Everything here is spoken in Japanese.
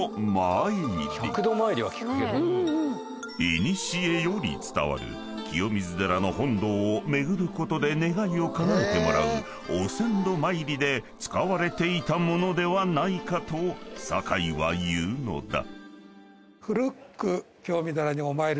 ［いにしえより伝わる清水寺の本堂を巡ることで願いをかなえてもらうお千度参りで使われていたものではないかと坂井は言うのだ］